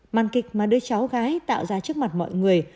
màn kịch mà đứa cháu gái tạo ra trước mặt mọi người